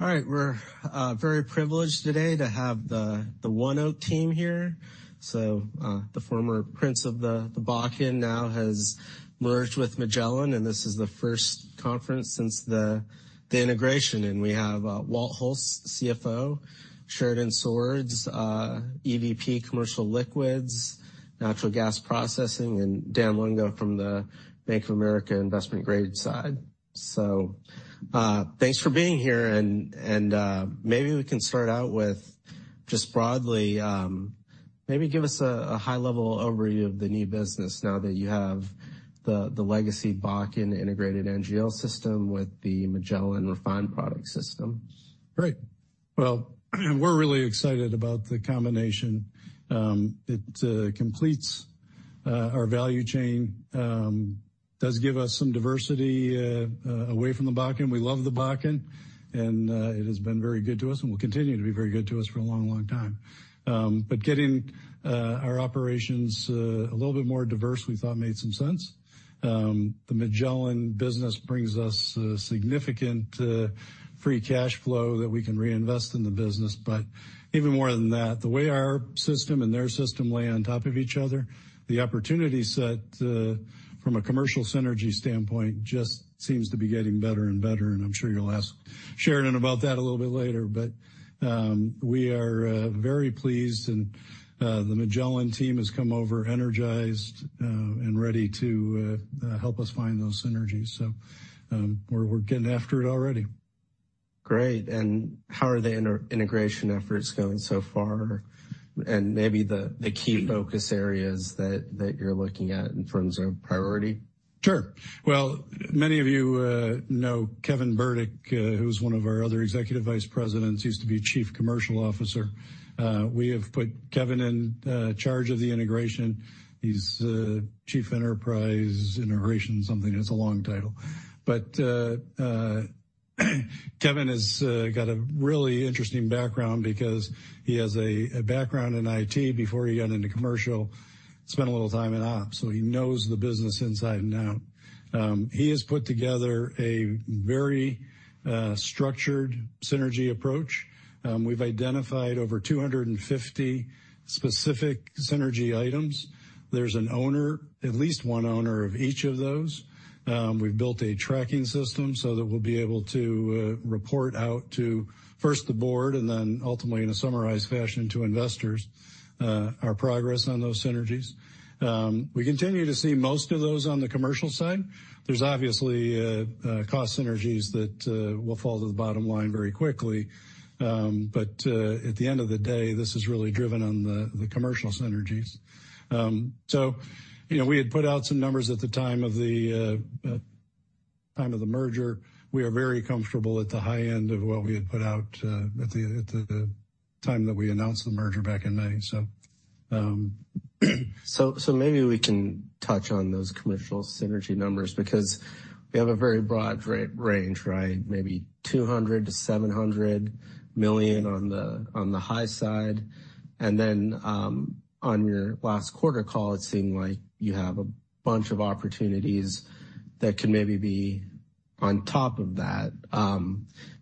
All right, we're very privileged today to have the ONEOK team here. So, the former prince of the Bakken now has merged with Magellan, and this is the first conference since the integration. And we have Walt Hulse, CFO, Sheridan Swords, EVP Commercial Liquids, Natural Gas Processing, and Danilo Juvane from the Bank of America investment grade side. So, thanks for being here, and maybe we can start out with just broadly, maybe give us a high-level overview of the new business now that you have the legacy Bakken integrated NGL system with the Magellan refined product system. Great. Well, we're really excited about the combination. It completes our value chain, does give us some diversity away from the Bakken. We love the Bakken, and it has been very good to us and will continue to be very good to us for a long, long time. But getting our operations a little bit more diverse, we thought made some sense. The Magellan business brings us significant free cash flow that we can reinvest in the business. But even more than that, the way our system and their system lay on top of each other, the opportunity set from a commercial synergy standpoint, just seems to be getting better and better, and I'm sure you'll ask Sheridan about that a little bit later. But we are very pleased, and the Magellan team has come over energized and ready to help us find those synergies. So, we're getting after it already. Great. And how are the integration efforts going so far? And maybe the key focus areas that you're looking at in terms of priority? Sure. Well, many of you know Kevin Burdick, who's one of our other executive vice presidents, used to be chief commercial officer. We have put Kevin in charge of the integration. He's chief enterprise integration something. It's a long title. But Kevin has got a really interesting background because he has a background in IT before he got into commercial, spent a little time in op, so he knows the business inside and out. He has put together a very structured synergy approach. We've identified over 250 specific synergy items. There's an owner, at least one owner, of each of those. We've built a tracking system so that we'll be able to report out to, first the board, and then ultimately, in a summarized fashion, to investors, our progress on those synergies. We continue to see most of those on the commercial side. There's obviously cost synergies that will fall to the bottom line very quickly. But at the end of the day, this is really driven on the commercial synergies. So, you know, we had put out some numbers at the time of the merger. We are very comfortable at the high end of what we had put out at the time that we announced the merger back in May. So, So maybe we can touch on those commercial synergy numbers, because we have a very broad range, right? Maybe $200 million-$700 million on the high side. And then, on your last quarter call, it seemed like you have a bunch of opportunities that could maybe be on top of that.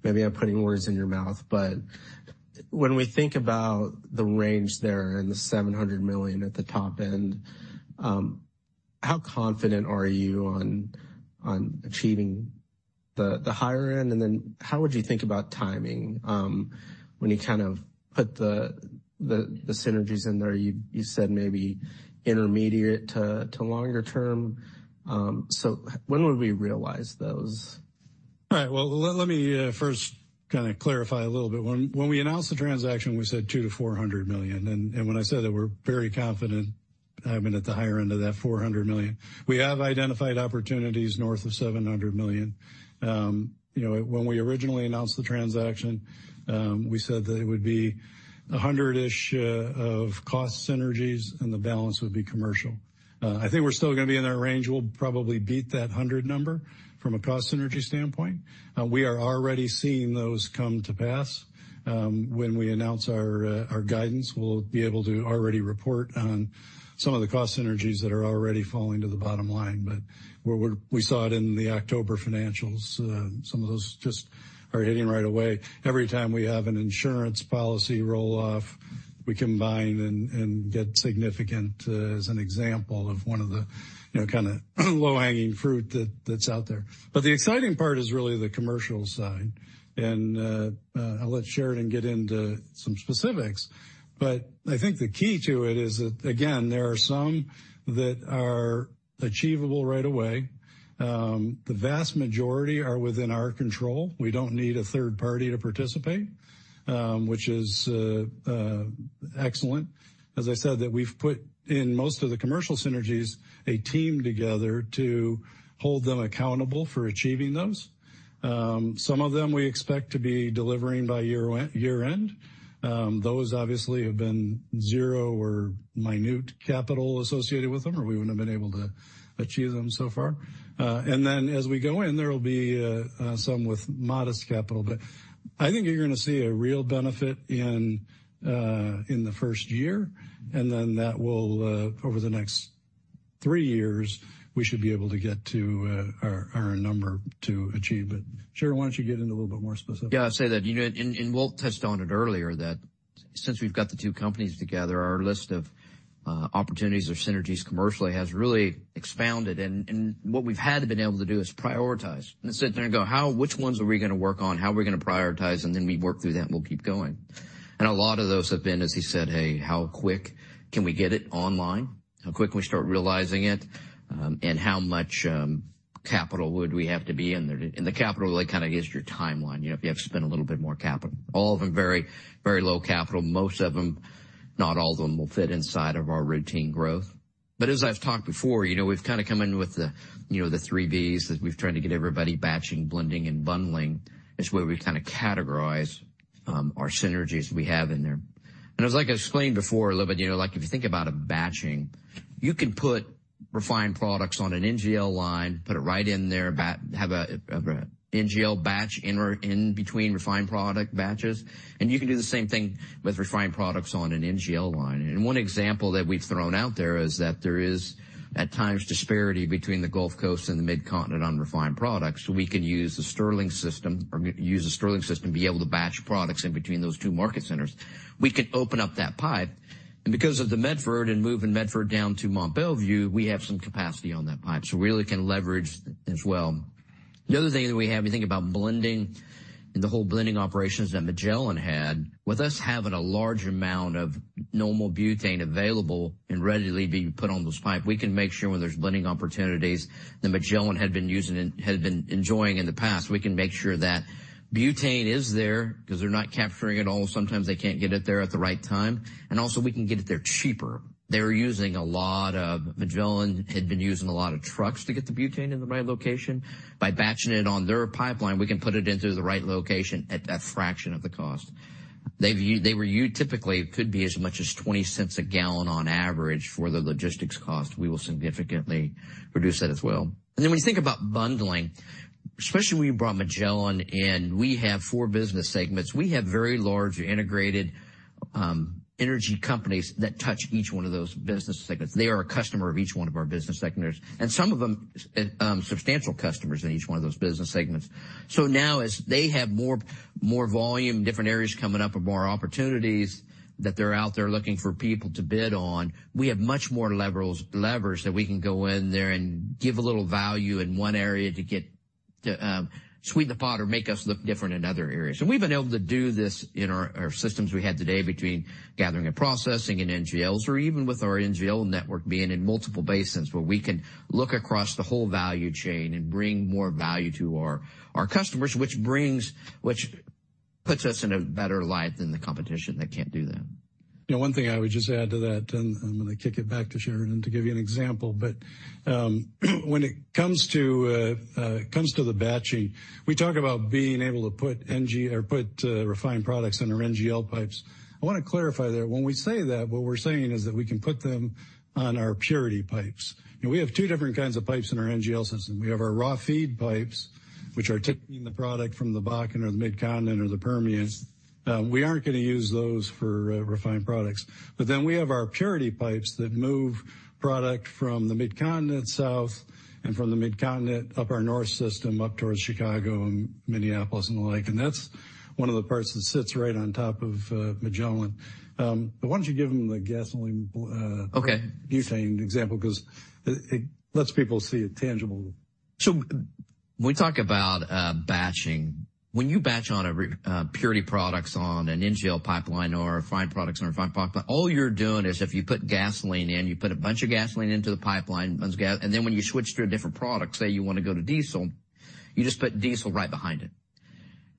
Maybe I'm putting words in your mouth, but when we think about the range there and the $700 million at the top end, how confident are you on achieving the higher end? And then how would you think about timing, when you kind of put the synergies in there, you said maybe intermediate to longer term. So when would we realize those? All right. Well, let me first kinda clarify a little bit. When we announced the transaction, we said $200 million-$400 million, and when I said that, we're very confident, I mean, at the higher end of that $400 million. We have identified opportunities north of $700 million. You know, when we originally announced the transaction, we said that it would be a $100-ish of cost synergies, and the balance would be commercial. I think we're still gonna be in that range. We'll probably beat that $100 number from a cost synergy standpoint. We are already seeing those come to pass. When we announce our guidance, we'll be able to already report on some of the cost synergies that are already falling to the bottom line. But we saw it in the October financials. Some of those just are hitting right away. Every time we have an insurance policy roll-off, we combine and get significant, as an example of one of the, you know, kind of, low-hanging fruit that's out there. But the exciting part is really the commercial side, and, I'll let Sheridan get into some specifics, but I think the key to it is that, again, there are some that are achievable right away. The vast majority are within our control. We don't need a third party to participate, which is excellent. As I said, that we've put in most of the commercial synergies, a team together to hold them accountable for achieving those. Some of them we expect to be delivering by year end, year end. Those obviously have been 0 or minute capital associated with them, or we wouldn't have been able to achieve them so far. And then as we go in, there will be some with modest capital, but I think you're gonna see a real benefit in the first year, and then that will over the next three years, we should be able to get to our number to achieve it. Sheridan, why don't you get into a little bit more specifics? Yeah, I'll say that, you know, and Walt touched on it earlier, that since we've got the two companies together, our list of opportunities or synergies commercially has really expanded. And what we've had to been able to do is prioritize and sit there and go, "How—which ones are we gonna work on? How are we gonna prioritize?" And then we work through that, and we'll keep going. And a lot of those have been, as he said, "Hey, how quick can we get it online? How quick can we start realizing it? and how much capital would we have to be in there?" And the capital really kind of gives your timeline. You know, if you have to spend a little bit more capital. All of them very, very low capital. Most of them, not all of them, will fit inside of our routine growth. But as I've talked before, you know, we've kind of come in with the, you know, the three V's, that we've tried to get everybody batching, blending, and bundling. It's where we kind of categorize our synergies we have in there. And as like I explained before a little bit, you know, like, if you think about a batching, you can put refined products on an NGL line, put it right in there, have a NGL batch in between refined product batches, and you can do the same thing with refined products on an NGL line. And one example that we've thrown out there is that there is, at times, disparity between the Gulf Coast and the Mid-Continent on refined products. So we can use the Sterling system, or use the Sterling system, to be able to batch products in between those two market centers. We can open up that pipe, and because of the Medford and moving Medford down to Mont Belvieu, we have some capacity on that pipe, so we really can leverage as well. The other thing that we have, you think about blending and the whole blending operations that Magellan had. With us having a large amount of normal butane available and readily being put on those pipes, we can make sure when there's blending opportunities that Magellan had been using and had been enjoying in the past, we can make sure that butane is there, 'cause they're not capturing it all. Sometimes they can't get it there at the right time, and also we can get it there cheaper. Magellan had been using a lot of trucks to get the butane in the right location. By batching it on their pipeline, we can put it into the right location at a fraction of the cost. Typically, it could be as much as $0.20 a gallon on average for the logistics cost. We will significantly reduce that as well. And then, when you think about bundling, especially when you brought Magellan in, we have 4 business segments. We have very large integrated energy companies that touch each one of those business segments. They are a customer of each one of our business segments, and some of them substantial customers in each one of those business segments. So now as they have more volume, different areas coming up with more opportunities that they're out there looking for people to bid on, we have much more leverage that we can go in there and give a little value in one area to get to sweeten the pot or make us look different in other areas. So we've been able to do this in our systems we have today between gathering and processing and NGLs, or even with our NGL network being in multiple basins, where we can look across the whole value chain and bring more value to our customers, which puts us in a better light than the competition that can't do that. Yeah, one thing I would just add to that, and then I'm gonna kick it back to Sheridan to give you an example, but when it comes to the batching, we talk about being able to put NG or refined products in our NGL pipes. I wanna clarify that when we say that, what we're saying is that we can put them on our purity pipes. And we have two different kinds of pipes in our NGL system. We have our raw feed pipes, which are taking the product from the Bakken or the Mid-Continent or the Permians. We aren't gonna use those for refined products. But then we have our purity pipes that move product from the Mid-Continent south and from the Mid-Continent up our north system, up towards Chicago and Minneapolis and the like, and that's one of the parts that sits right on top of Magellan. But why don't you give them the gasoline? Okay. butane example, 'cause it lets people see it tangible. So when we talk about batching, when you batch on a refined products on an NGL pipeline or refined products on a refined pipeline, all you're doing is if you put gasoline in, you put a bunch of gasoline into the pipeline, bunch of gas, and then when you switch to a different product, say you want to go to diesel, you just put diesel right behind it.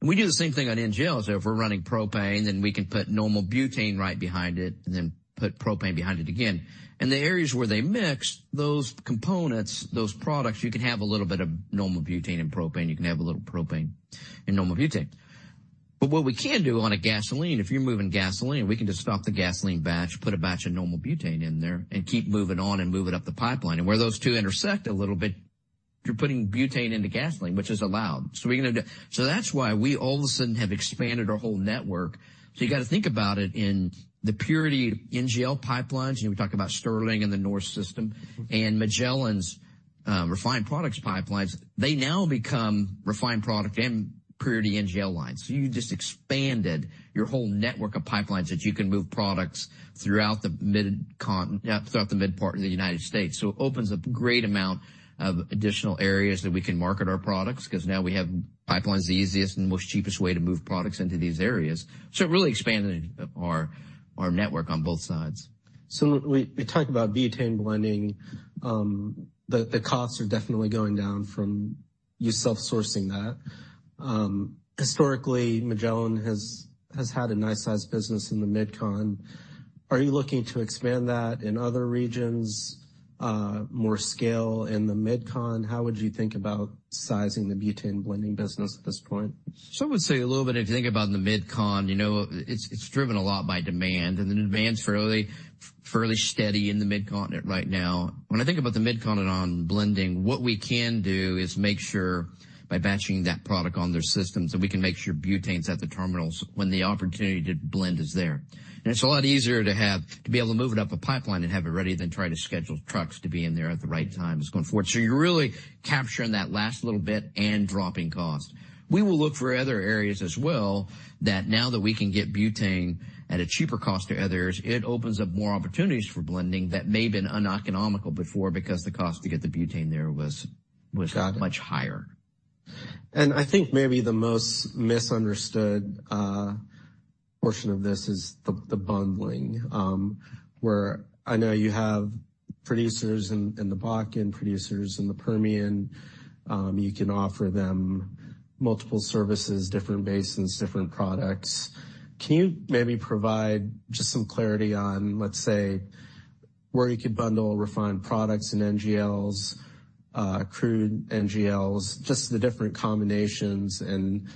And we do the same thing on NGLs. So if we're running propane, then we can put normal butane right behind it and then put propane behind it again. And the areas where they mix, those components, those products, you can have a little bit of normal butane and propane, you can have a little propane and normal butane. But what we can do on a gasoline, if you're moving gasoline, we can just stop the gasoline batch, put a batch of normal butane in there, and keep moving on and moving up the pipeline. And where those two intersect a little bit, you're putting butane into gasoline, which is allowed. So we're gonna do... So that's why we all of a sudden have expanded our whole network. So you got to think about it in the purity NGL pipelines, you know, we talk about Sterling and the north system, and Magellan's refined products pipelines, they now become refined product and purity NGL lines. So you just expanded your whole network of pipelines, that you can move products throughout the Mid-Con, throughout the mid part of the United States. So it opens up a great amount of additional areas that we can market our products, 'cause now we have pipelines, the easiest and most cheapest way to move products into these areas. So it really expanded our network on both sides. So we talked about butane blending. The costs are definitely going down from you self-sourcing that. Historically, Magellan has had a nice-sized business in the Mid-Con. Are you looking to expand that in other regions? More scale in the Mid-Con? How would you think about sizing the butane blending business at this point? So I would say a little bit, if you think about in the Mid-Con, you know, it's driven a lot by demand. And the demand fairly steady in the Mid-Continent right now. When I think about the Mid-Continent on blending, what we can do is make sure by batching that product on their systems, that we can make sure butane's at the terminals when the opportunity to blend is there. And it's a lot easier to have to be able to move it up a pipeline and have it ready than try to schedule trucks to be in there at the right time going forward. So you're really capturing that last little bit and dropping cost. We will look for other areas as well, that now that we can get butane at a cheaper cost to others, it opens up more opportunities for blending that may have been uneconomical before because the cost to get the butane there was much higher. Got it. And I think maybe the most misunderstood portion of this is the bundling, where I know you have producers in the Bakken, producers in the Permian. You can offer them multiple services, different basins, different products. Can you maybe provide just some clarity on, let's say, where you could bundle refined products in NGLs, crude NGLs, just the different combinations and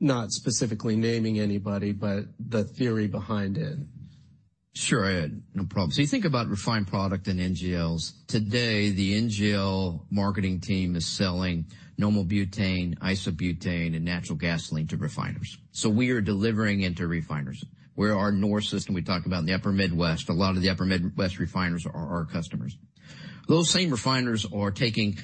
not specifically naming anybody, but the theory behind it? Sure, Ed, no problem. So you think about refined product in NGLs. Today, the NGL marketing team is selling normal butane, isobutane, and natural gasoline to refiners. So we are delivering into refiners, where our Nor system, we talked about in the Upper Midwest, a lot of the Upper Midwest refiners are our customers. Those same refiners are taking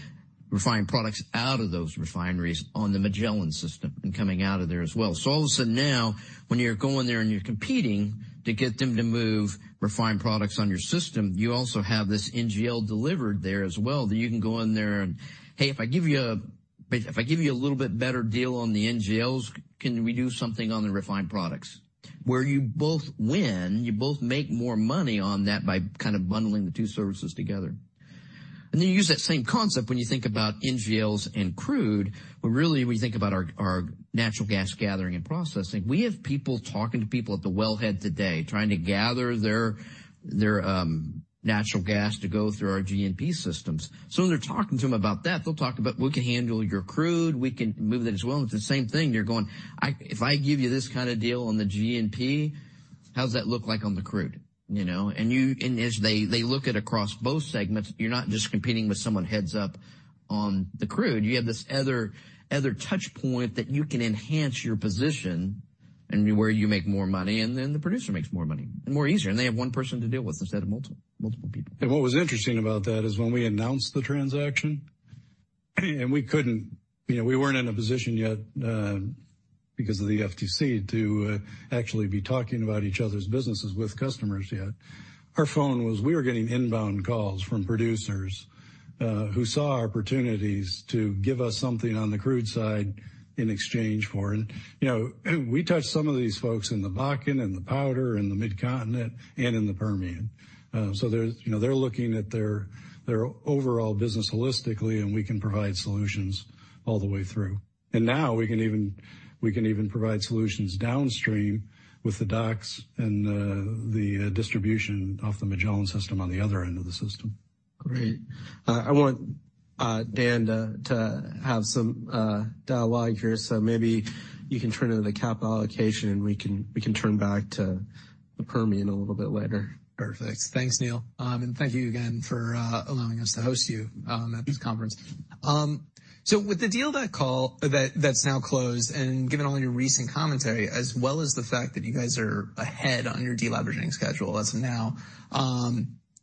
refined products out of those refineries on the Magellan system and coming out of there as well. So all of a sudden now, when you're going there and you're competing to get them to move refined products on your system, you also have this NGL delivered there as well, that you can go in there and, "Hey, if I give you a little bit better deal on the NGLs, can we do something on the refined products?" Where you both win, you both make more money on that by kind of bundling the two services together. And then you use that same concept when you think about NGLs and crude, where really, when you think about our natural gas gathering and processing, we have people talking to people at the wellhead today trying to gather their natural gas to go through our G&P systems. So when they're talking to them about that, they'll talk about, we can handle your crude, we can move that as well. It's the same thing. You're going, "If I give you this kind of deal on the G&P, how does that look like on the crude?" You know? And as they look across both segments, you're not just competing with someone heads-up on the crude. You have this other touch point that you can enhance your position and where you make more money, and then the producer makes more money and more easier, and they have one person to deal with instead of multiple people. What was interesting about that is when we announced the transaction, and we couldn't, you know, we weren't in a position yet, because of the FTC, to actually be talking about each other's businesses with customers yet. Our phone was, we were getting inbound calls from producers, who saw opportunities to give us something on the crude side in exchange for. And, you know, we touched some of these folks in the Bakken and the Powder and the Mid-Continent and in the Permian. So there's, you know, they're looking at their overall business holistically, and we can provide solutions all the way through. And now we can even, we can even provide solutions downstream with the docks and the distribution off the Magellan system on the other end of the system. Great. I want Dan to have some dialogue here, so maybe you can turn to the capital allocation, and we can turn back to the Permian a little bit later. Perfect. Thanks, Neil. Thank you again for allowing us to host you at this conference. With the deal that that's now closed, and given only your recent commentary, as well as the fact that you guys are ahead on your deleveraging schedule, that's now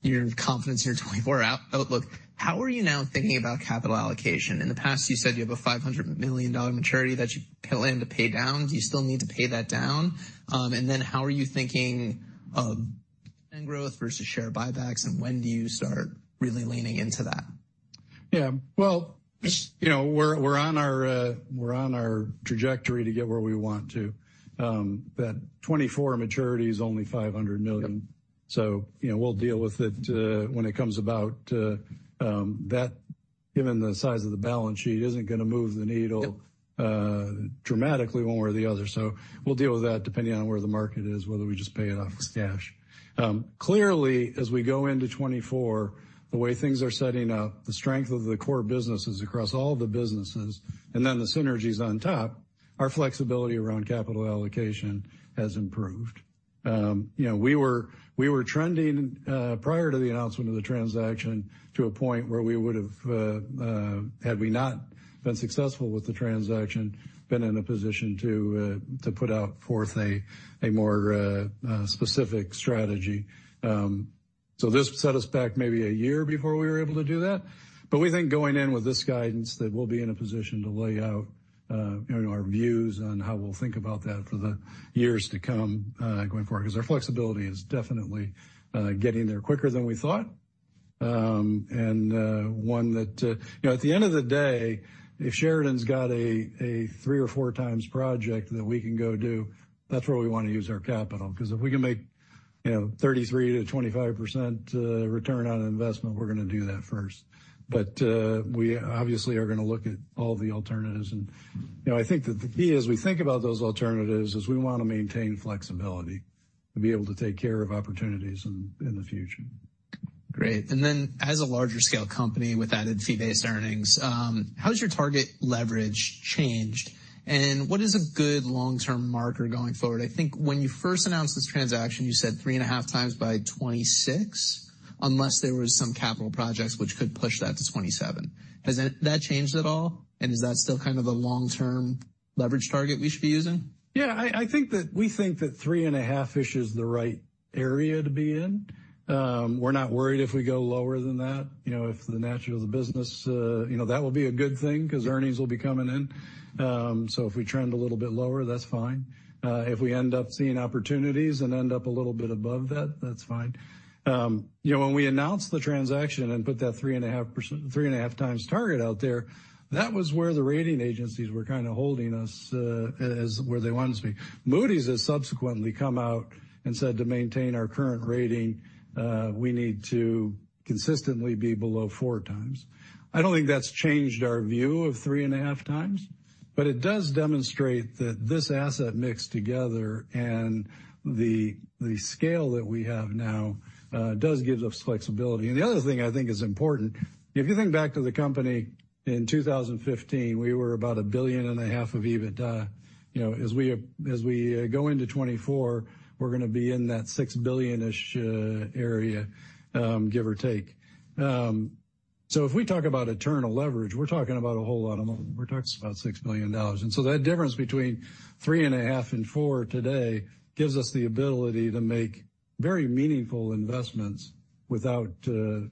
your confidence in your 2024 outlook, how are you now thinking about capital allocation? In the past, you said you have a $500 million maturity that you plan to pay down. Do you still need to pay that down? Then how are you thinking of and growth versus share buybacks, and when do you start really leaning into that? Yeah, well, you know, we're on our trajectory to get where we want to. That 2024 maturity is only $500 million. Yep. So, you know, we'll deal with it, when it comes about. That, given the size of the balance sheet, isn't gonna move the needle- Yep... dramatically one way or the other. So we'll deal with that depending on where the market is, whether we just pay it off with cash. Clearly, as we go into 2024, the way things are setting up, the strength of the core businesses across all the businesses and then the synergies on top, our flexibility around capital allocation has improved. You know, we were trending prior to the announcement of the transaction to a point where we would've had we not been successful with the transaction, been in a position to put forth a more specific strategy. So this set us back maybe a year before we were able to do that. But we think going in with this guidance, that we'll be in a position to lay out, you know, our views on how we'll think about that for the years to come, going forward, because our flexibility is definitely getting there quicker than we thought. And one that—you know, at the end of the day, if Sheridan's got a 3 or 4 times project that we can go do, that's where we want to use our capital, because if we can make, you know, 33%-25% return on investment, we're gonna do that first. But we obviously are gonna look at all the alternatives. And, you know, I think that the key as we think about those alternatives is we want to maintain flexibility and be able to take care of opportunities in the future.... Great. And then as a larger scale company with added fee-based earnings, how has your target leverage changed? And what is a good long-term marker going forward? I think when you first announced this transaction, you said 3.5x by 2026, unless there was some capital projects which could push that to 2027. Has that changed at all, and is that still kind of the long-term leverage target we should be using? Yeah, I think that we think that 3.5-ish is the right area to be in. We're not worried if we go lower than that. You know, if the nature of the business, you know, that will be a good thing because earnings will be coming in. So if we trend a little bit lower, that's fine. If we end up seeing opportunities and end up a little bit above that, that's fine. You know, when we announced the transaction and put that 3.5x target out there, that was where the rating agencies were kind of holding us, as where they wanted us to be. Moody's has subsequently come out and said to maintain our current rating, we need to consistently be below 4x. I don't think that's changed our view of 3.5 times, but it does demonstrate that this asset mixed together and the scale that we have now does give us flexibility. And the other thing I think is important, if you think back to the company in 2015, we were about $1.5 billion of EBITDA. You know, as we go into 2024, we're going to be in that $6 billion-ish area, give or take. So if we talk about internal leverage, we're talking about a whole lot of money. We're talking about $6 million. And so that difference between 3.5 and 4 today gives us the ability to make very meaningful investments without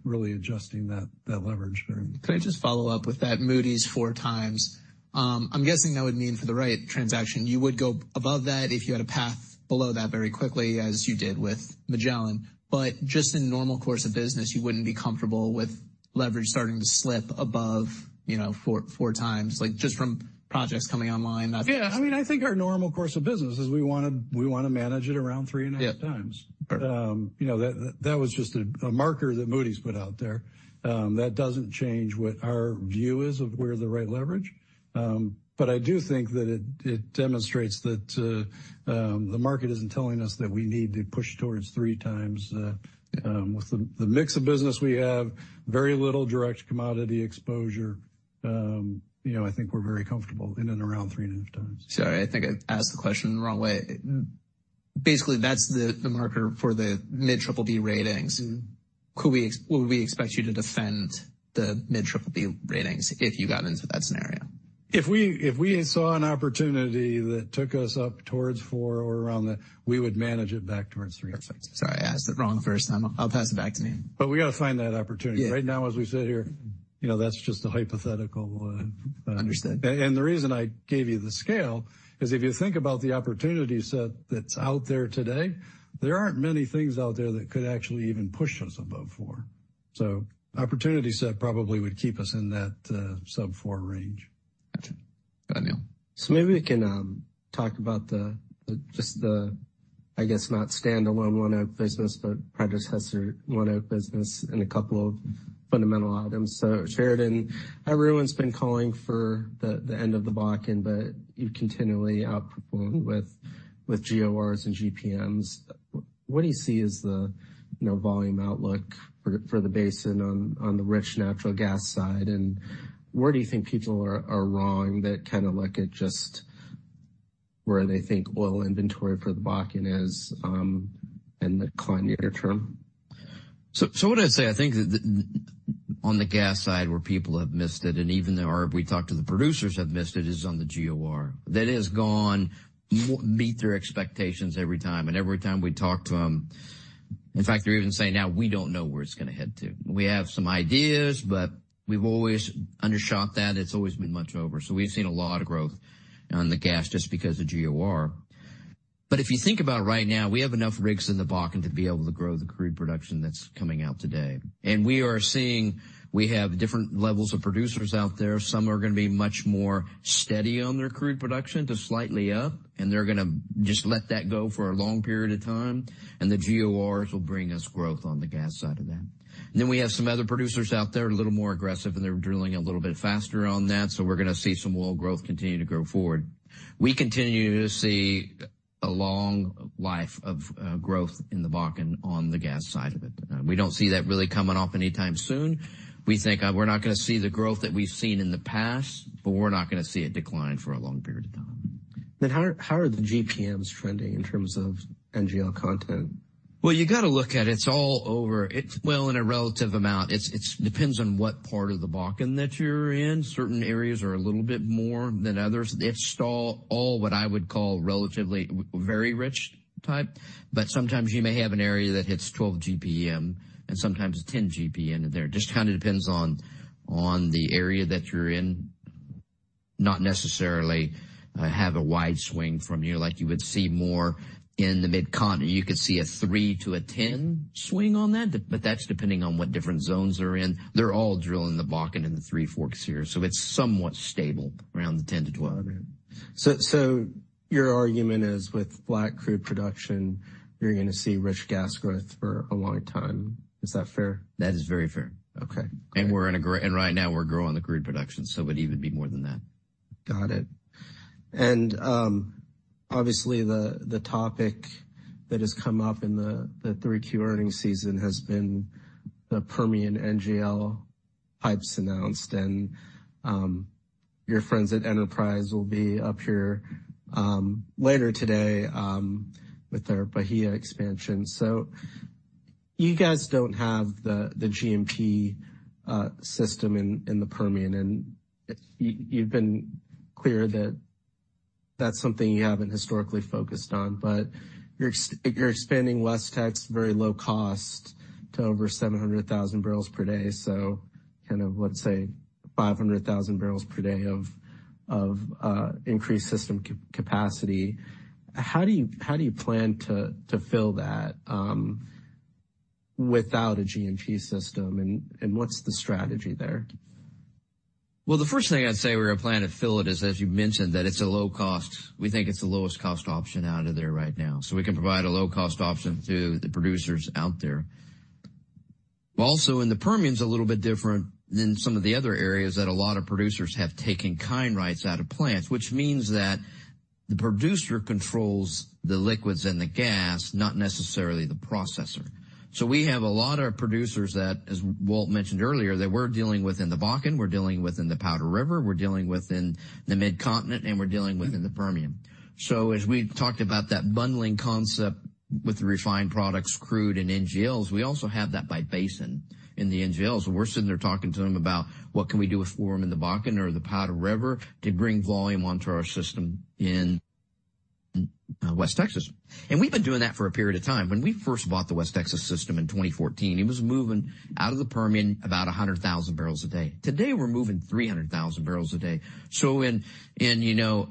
really adjusting that leverage. Can I just follow up with that Moody's four times? I'm guessing that would mean for the right transaction, you would go above that if you had a path below that very quickly, as you did with Magellan. But just in the normal course of business, you wouldn't be comfortable with leverage starting to slip above, you know, four, four times, like, just from projects coming online. Yeah. I mean, I think our normal course of business is we want to, we want to manage it around 3.5 times. Yeah. You know, that was just a marker that Moody's put out there. That doesn't change what our view is of where the right leverage. But I do think that it demonstrates that the market isn't telling us that we need to push towards 3x. With the mix of business, we have very little direct commodity exposure. You know, I think we're very comfortable in and around 3.5x. Sorry, I think I asked the question the wrong way. Basically, that's the marker for the mid-BBB ratings. Mm-hmm. Would we expect you to defend the mid BBB ratings if you got into that scenario? If we saw an opportunity that took us up towards 4 or around that, we would manage it back towards 3. Sorry, I asked it wrong the first time. I'll pass it back to you. But we got to find that opportunity. Yeah. Right now, as we sit here, you know, that's just a hypothetical. Understood. The reason I gave you the scale is if you think about the opportunity set that's out there today, there aren't many things out there that could actually even push us above four. So opportunity set probably would keep us in that sub four range. Gotcha. Got it. So maybe we can talk about just the, I guess, not standalone ONEOK business, but predecessor ONEOK business and a couple of fundamental items. So Sheridan, everyone's been calling for the end of the Bakken, but you continually outperform with GORs and GPMs. What do you see as the, you know, volume outlook for the basin on the rich natural gas side, and where do you think people are wrong that kind of look at just where they think oil inventory for the Bakken is, in the near term? So, so what I'd say, I think that on the gas side, where people have missed it, and even though we talked to the producers have missed it, is on the GOR. That has gone... meet their expectations every time, and every time we talk to them, in fact, they're even saying now: "We don't know where it's going to head to. We have some ideas, but we've always undershot that. It's always been much over." So we've seen a lot of growth on the gas just because of GOR. But if you think about right now, we have enough rigs in the Bakken to be able to grow the crude production that's coming out today. And we are seeing, we have different levels of producers out there. Some are going to be much more steady on their crude production to slightly up, and they're going to just let that go for a long period of time, and the GORs will bring us growth on the gas side of that. Then we have some other producers out there, a little more aggressive, and they're drilling a little bit faster on that, so we're going to see some oil growth continue to grow forward. We continue to see a long life of, growth in the Bakken on the gas side of it. We don't see that really coming off anytime soon. We think, we're not going to see the growth that we've seen in the past, but we're not going to see a decline for a long period of time. Then how, how are the GPMs trending in terms of NGL content? Well, you got to look at it. It's all over. Well, in a relative amount, it depends on what part of the Bakken that you're in. Certain areas are a little bit more than others. It's all what I would call relatively very rich type, but sometimes you may have an area that hits 12 GPM and sometimes 10 GPM in there. Just kind of depends on the area that you're in, not necessarily have a wide swing from you. Like you would see more in the Mid-Continent. You could see a 3-10 swing on that, but that's depending on what different zones they're in. They're all drilling the Bakken and the Three Forks here, so it's somewhat stable around the 10-12. Okay. So, your argument is with Bakken crude production, you're going to see rich gas growth for a long time. Is that fair? That is very fair. Okay. And right now, we're growing the crude production, so it would even be more than that.... Got it. And, obviously, the topic that has come up in the 3Q earnings season has been the Permian NGL pipes announced, and your friends at Enterprise will be up here later today with their Bahia expansion. So you guys don't have the GPM system in the Permian, and you've been clear that that's something you haven't historically focused on, but you're expanding West Tex very low cost to over 700,000 barrels per day. So kind of, let's say, 500,000 barrels per day of increased system capacity. How do you plan to fill that without a GPM system, and what's the strategy there? Well, the first thing I'd say we're planning to fill it is, as you mentioned, that it's a low cost. We think it's the lowest cost option out of there right now. So we can provide a low-cost option to the producers out there. Also, in the Permian is a little bit different than some of the other areas that a lot of producers have taken take-in-kind rights out of plants, which means that the producer controls the liquids and the gas, not necessarily the processor. So we have a lot of producers that, as Walt mentioned earlier, that we're dealing with in the Bakken, we're dealing with in the Powder River, we're dealing with in the Mid-Continent, and we're dealing with in the Permian. So as we talked about that bundling concept with the refined products, crude and NGLs, we also have that by basin in the NGLs. We're sitting there talking to them about what can we do for them in the Bakken or the Powder River to bring volume onto our system in West Texas. And we've been doing that for a period of time. When we first bought the West Texas system in 2014, it was moving out of the Permian about 100,000 barrels a day. Today, we're moving 300,000 barrels a day. So in, you know,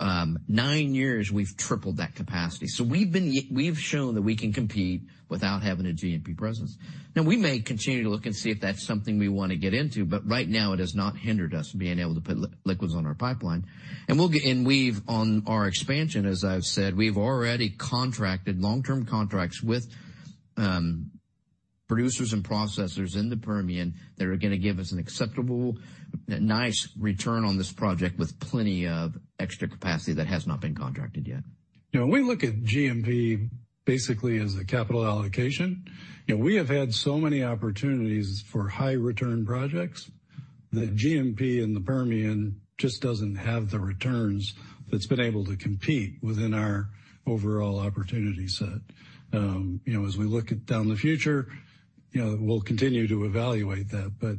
nine years, we've tripled that capacity. So we've been we've shown that we can compete without having a GPM presence. Now, we may continue to look and see if that's something we want to get into, but right now it has not hindered us being able to put liquids on our pipeline. And we've, on our expansion, as I've said, we've already contracted long-term contracts with producers and processors in the Permian that are gonna give us an acceptable, nice return on this project with plenty of extra capacity that has not been contracted yet. You know, we look at GPM basically as a capital allocation. You know, we have had so many opportunities for high return projects that GPM in the Permian just doesn't have the returns that's been able to compete within our overall opportunity set. You know, as we look into the future, you know, we'll continue to evaluate that. But,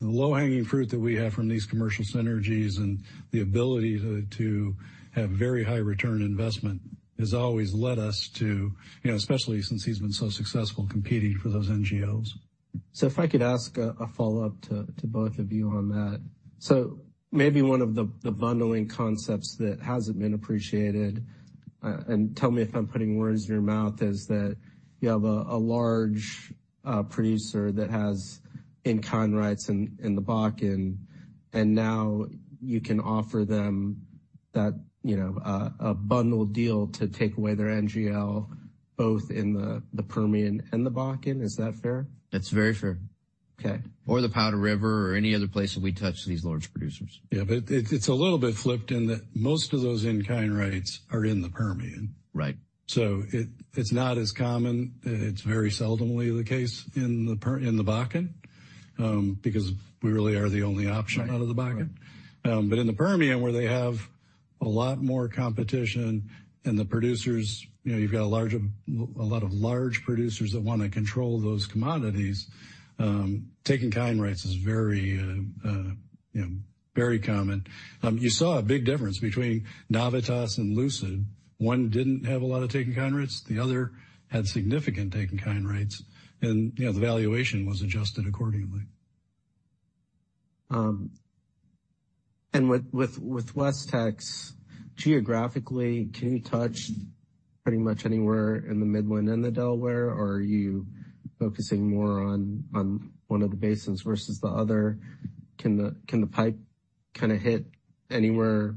the low-hanging fruit that we have from these commercial synergies and the ability to, to have very high return on investment has always led us to, you know, especially since he's been so successful competing for those NGLs. So if I could ask a follow-up to both of you on that. So maybe one of the bundling concepts that hasn't been appreciated, and tell me if I'm putting words in your mouth, is that you have a large producer that has in-kind rights in the Bakken, and now you can offer them that, you know, a bundled deal to take away their NGL, both in the Permian and the Bakken. Is that fair? That's very fair. Okay. Or the Powder River, or any other place that we touch these large producers. Yeah, but it's a little bit flipped in that most of those in-kind rights are in the Permian. Right. So it's not as common, it's very seldomly the case in the Bakken, because we really are the only option out of the Bakken. Right. But in the Permian, where they have a lot more competition and the producers, you know, you've got a lot of large producers that wanna control those commodities, take-in-kind rights is very, you know, very common. You saw a big difference between Navitas and Lucid. One didn't have a lot of take-in-kind rights, the other had significant take-in-kind rights, and, you know, the valuation was adjusted accordingly. And with WestEx, geographically, can you touch pretty much anywhere in the Midland and the Delaware, or are you focusing more on one of the basins versus the other? Can the pipe kind of hit anywhere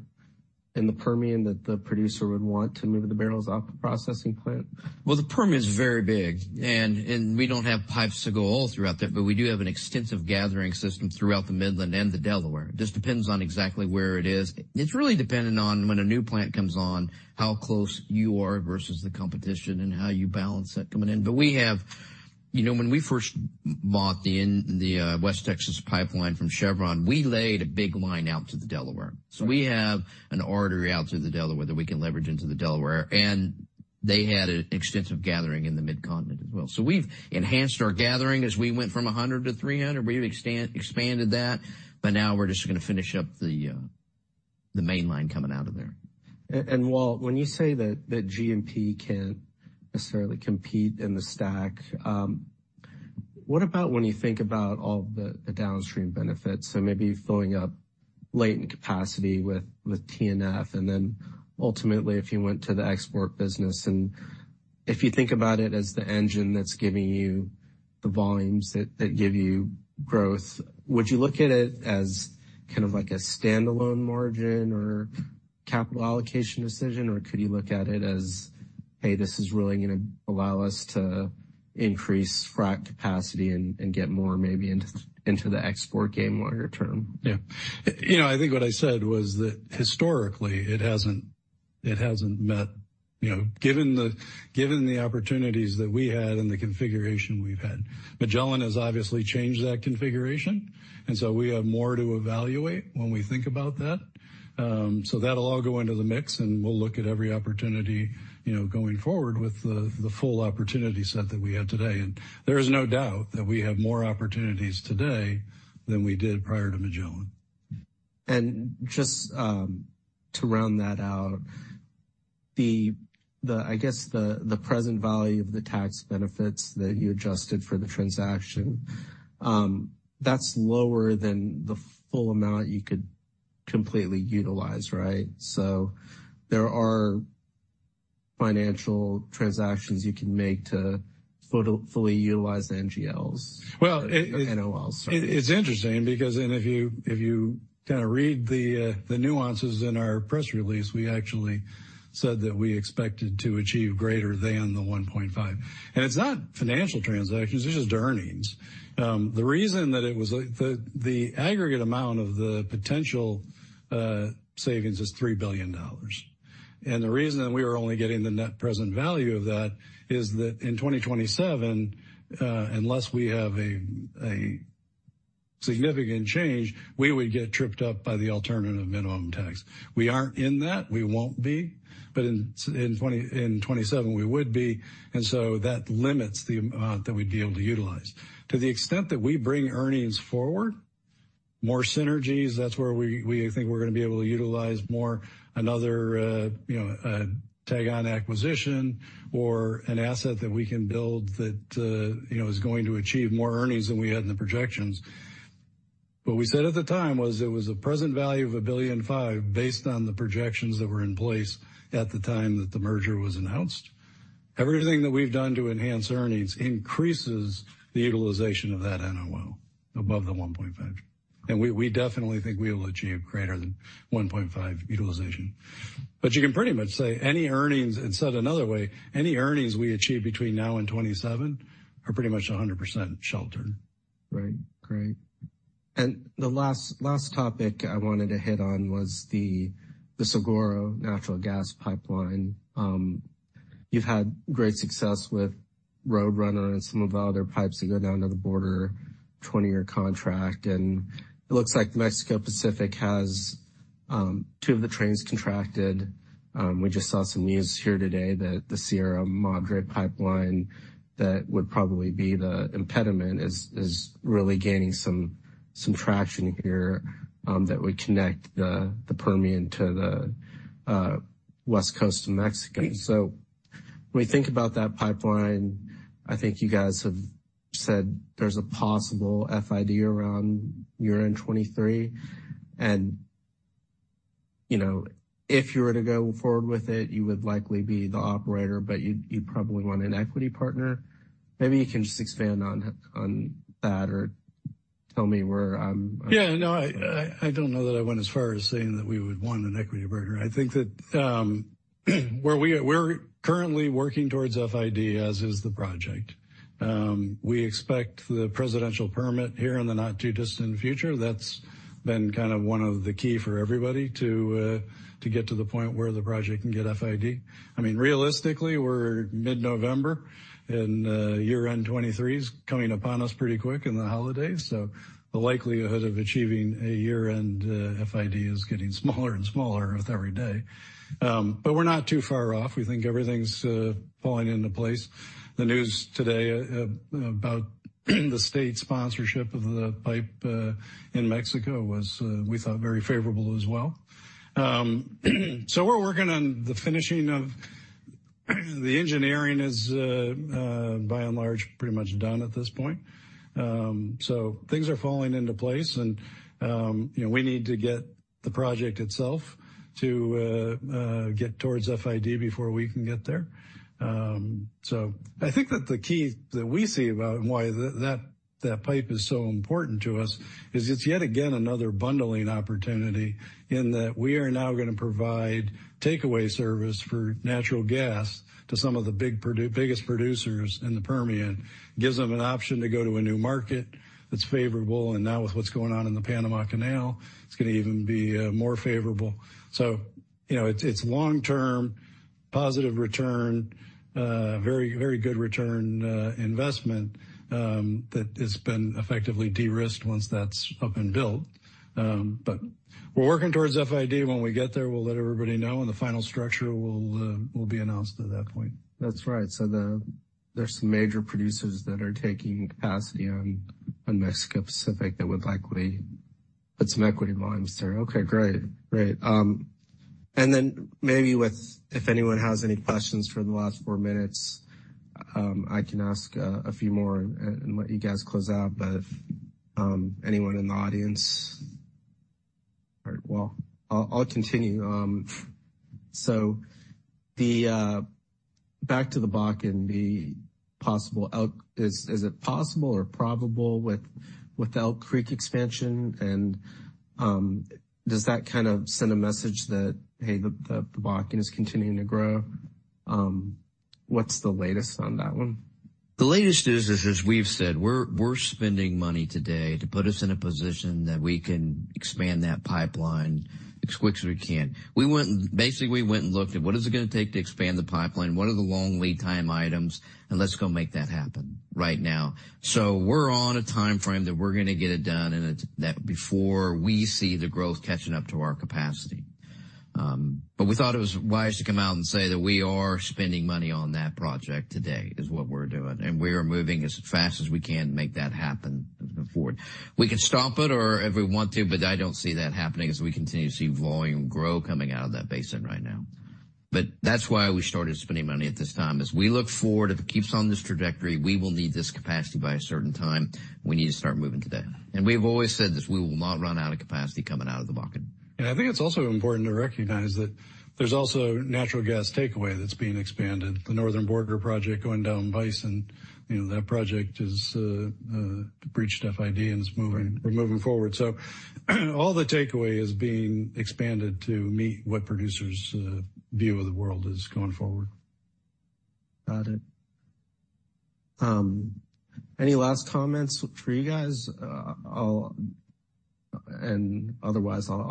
in the Permian that the producer would want to move the barrels out the processing plant? Well, the Permian is very big, and we don't have pipes to go all throughout that, but we do have an extensive gathering system throughout the Midland and the Delaware. It just depends on exactly where it is. It's really dependent on when a new plant comes on, how close you are versus the competition, and how you balance that coming in. But we have—you know, when we first bought the West Texas Pipeline from Chevron, we laid a big line out to the Delaware. So we have an artery out to the Delaware that we can leverage into the Delaware, and they had an extensive gathering in the Mid-Continent as well. So we've enhanced our gathering as we went from 100 to 300. We've expanded that, but now we're just gonna finish up the, the main line coming out of there. And Walt, when you say that GPM can't necessarily compete in the STACK, what about when you think about all the downstream benefits? So maybe filling up latent capacity with T&F, and then ultimately, if you went to the export business, and if you think about it as the engine that's giving you the volumes that give you growth, would you look at it as kind of like a standalone margin or capital allocation decision? Or could you look at it as, "Hey, this is really gonna allow us to increase frack capacity and get more maybe into the export game longer term? Yeah. You know, I think what I said was that historically, it hasn't, it hasn't met, you know, given the, given the opportunities that we had and the configuration we've had. Magellan has obviously changed that configuration, and so we have more to evaluate when we think about that. So that'll all go into the mix, and we'll look at every opportunity, you know, going forward with the, the full opportunity set that we have today. There is no doubt that we have more opportunities today than we did prior to Magellan. And just to round that out, the present value of the tax benefits that you adjusted for the transaction, that's lower than the full amount you could completely utilize, right? So there are financial transactions you can make to fully utilize the NGLs? Well- NOLs, sorry. It's interesting because, and if you, if you kind of read the nuances in our press release, we actually said that we expected to achieve greater than the 1.5. And it's not financial transactions, it's just earnings. The reason that was the aggregate amount of the potential savings is $3 billion. And the reason that we were only getting the net present value of that is that in 2027, unless we have a significant change, we would get tripped up by the Alternative Minimum Tax. We aren't in that, we won't be, but in 2027, we would be, and so that limits the amount that we'd be able to utilize. To the extent that we bring earnings forward, more synergies, that's where we think we're gonna be able to utilize more, another, you know, a tag-on acquisition or an asset that we can build that, you know, is going to achieve more earnings than we had in the projections. What we said at the time was it was a present value of $1.5 billion based on the projections that were in place at the time that the merger was announced. Everything that we've done to enhance earnings increases the utilization of that NOL above the 1.5. And we definitely think we will achieve greater than 1.5 utilization. But you can pretty much say any earnings, and said another way, any earnings we achieve between now and 2027 are pretty much 100% sheltered. Right. Great. And the last topic I wanted to hit on was the Saguaro natural gas pipeline. You've had great success with Roadrunner and some of the other pipes that go down to the border, 20-year contract, and it looks like Mexico Pacific has 2 of the trains contracted. We just saw some news here today that the Sierra Madre pipeline, that would probably be the impediment, is really gaining some traction here, that would connect the Permian to the West Coast of Mexico. So when we think about that pipeline, I think you guys have said there's a possible FID around year-end 2023. And, you know, if you were to go forward with it, you would likely be the operator, but you'd probably want an equity partner. Maybe you can just expand on that or tell me where I'm- Yeah, no, I don't know that I went as far as saying that we would want an equity partner. I think that where we are, we're currently working towards FID, as is the project. We expect the presidential permit here in the not-too-distant future. That's been kind of one of the key for everybody to get to the point where the project can get FID. I mean, realistically, we're mid-November, and year-end 2023 is coming upon us pretty quick in the holidays, so the likelihood of achieving a year-end FID is getting smaller and smaller with every day. But we're not too far off. We think everything's falling into place. The news today about the state sponsorship of the pipe in Mexico was, we thought, very favorable as well. So we're working on the finishing of... The engineering is by and large pretty much done at this point. So things are falling into place and you know, we need to get the project itself to get towards FID before we can get there. So I think that the key that we see about why that pipe is so important to us is it's yet again another bundling opportunity in that we are now gonna provide takeaway service for natural gas to some of the biggest producers in the Permian. Gives them an option to go to a new market that's favorable, and now with what's going on in the Panama Canal, it's gonna even be more favorable. So you know, it's long-term positive return, very very good return investment that has been effectively de-risked once that's up and built. But we're working towards FID. When we get there, we'll let everybody know, and the final structure will be announced at that point. That's right. So there's some major producers that are taking capacity on, on Mexico Pacific that would likely put some equity lines there. Okay, great. Great. And then maybe with if anyone has any questions for the last 4 minutes, I can ask a few more and let you guys close out. But if anyone in the audience... All right, well, I'll continue. So, back to the Bakken, the possible Elk Creek—is it possible or probable with Elk Creek expansion? And, does that kind of send a message that, hey, the Bakken is continuing to grow? What's the latest on that one? ...The latest is, as we've said, we're spending money today to put us in a position that we can expand that pipeline as quick as we can. We basically went and looked at what is it gonna take to expand the pipeline? What are the long lead time items? And let's go make that happen right now. So we're on a timeframe that we're gonna get it done, and it's that before we see the growth catching up to our capacity. But we thought it was wise to come out and say that we are spending money on that project today, is what we're doing, and we are moving as fast as we can to make that happen moving forward. We can stop it or if we want to, but I don't see that happening as we continue to see volume grow coming out of that basin right now. But that's why we started spending money at this time. As we look forward, if it keeps on this trajectory, we will need this capacity by a certain time. We need to start moving today. And we've always said this, we will not run out of capacity coming out of the Bakken. I think it's also important to recognize that there's also natural gas takeaway that's being expanded. The Northern Border project going down Bison, you know, that project is breached FID, and it's moving, we're moving forward. So all the takeaway is being expanded to meet what producers view of the world is going forward. Got it. Any last comments for you guys? I'll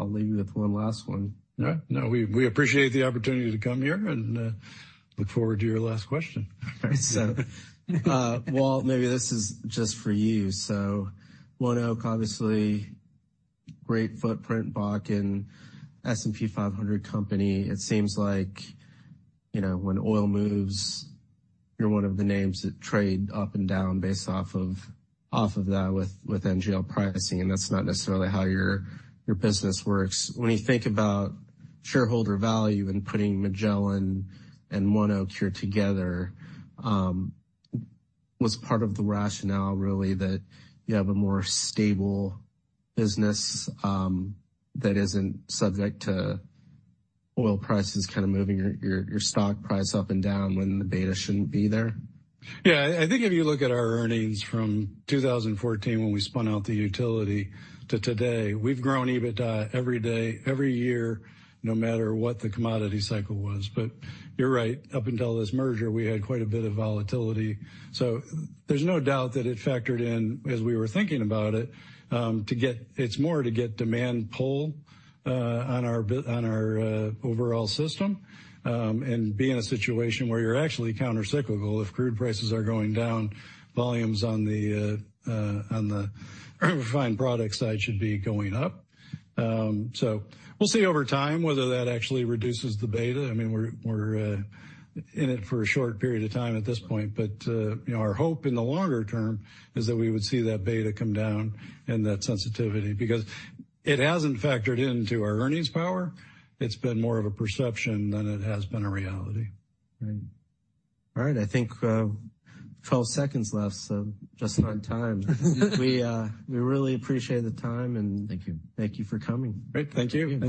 leave you with one last one. No, no, we, we appreciate the opportunity to come here and look forward to your last question. So, Walt, maybe this is just for you. So ONEOK, obviously great footprint, Bakken, S&P 500 company. It seems like, you know, when oil moves, you're one of the names that trade up and down based off of that, with NGL pricing, and that's not necessarily how your business works. When you think about shareholder value and putting Magellan and ONEOK here together, was part of the rationale really that you have a more stable business that isn't subject to oil prices kind of moving your stock price up and down when the beta shouldn't be there? Yeah, I think if you look at our earnings from 2014, when we spun out the utility to today, we've grown EBITDA every day, every year, no matter what the commodity cycle was. But you're right, up until this merger, we had quite a bit of volatility. So there's no doubt that it factored in as we were thinking about it, to get... It's more to get demand pull on our bi-- on our overall system, and be in a situation where you're actually countercyclical. If crude prices are going down, volumes on the on the refined product side should be going up. So we'll see over time whether that actually reduces the beta. I mean, we're, we're in it for a short period of time at this point. You know, our hope in the longer term is that we would see that beta come down and that sensitivity, because it hasn't factored into our earnings power. It's been more of a perception than it has been a reality. Right. All right, I think, 12 seconds left, so just on time. We, we really appreciate the time, and- Thank you. Thank you for coming. Great. Thank you. Thank you.